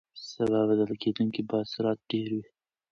سبا به د لګېدونکي باد سرعت ډېر وي.